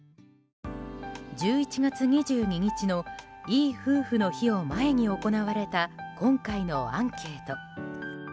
１１月２２日のいい夫婦の日を前に行われた今回のアンケート。